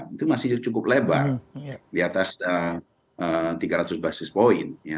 itu masih cukup lebar di atas tiga ratus basis point